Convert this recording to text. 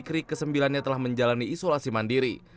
bikri kesembilannya telah menjalani isolasi mandiri